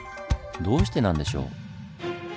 どうしてなんでしょう？